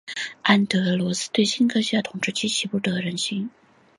安德罗斯对新英格兰的统治极其不得人心。